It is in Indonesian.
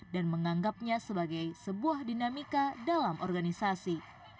dan menganggapnya sebagai sebuah dinamika dalam organisasi